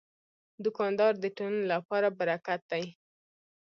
دوکاندار د ټولنې لپاره برکت دی.